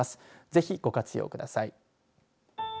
ぜひ、ご活用ください。